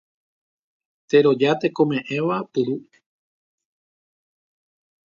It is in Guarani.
Teroja tekome'ẽva puru.